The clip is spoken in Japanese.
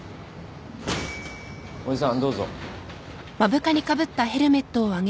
おじさんどうぞ。